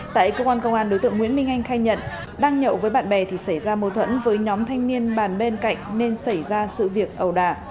tại công an công an đối tượng nguyễn minh anh khai nhận đang nhậu với bạn bè thì xảy ra mâu thuẫn với nhóm thanh niên bàn bên cạnh nên xảy ra sự việc ẩu đả